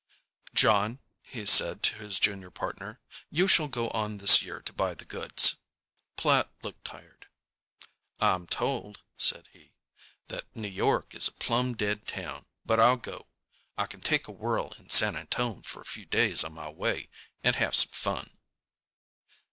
"John," he said, to his junior partner, "you shall go on this year to buy the goods." Platt looked tired. "I'm told," said he, "that New York is a plumb dead town; but I'll go. I can take a whirl in San Antone for a few days on my way and have some fun."